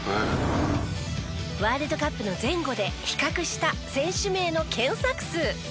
ワールドカップの前後で比較した選手名の検索数。